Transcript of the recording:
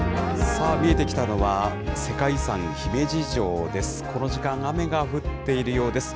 さあ、見えてきたのは、世界遺産、姫路城です。